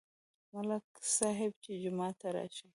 ملک صاحب چې جومات ته راشي،